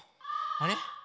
あれ？